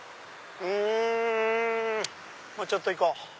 うんもうちょっと行こう。